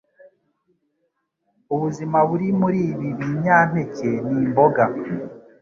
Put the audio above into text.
Ubuzima buri muri ibi binyampeke n’imboga